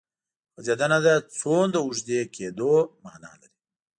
غځېدنه د څومره اوږدې کېدو معنی لري.